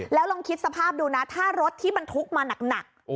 แล้วลองคิดสภาพดูนะถ้ารถที่บรรทุกมาหนัก